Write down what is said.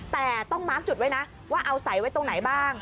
แต่ต้องมาร์คจุดไว้นะว่าเอาใส่ไว้ตรงไหนบ้าง